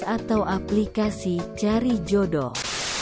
atau aplikasi cari jodoh